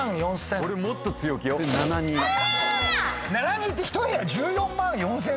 ７２って１部屋１４万４，０００円だよ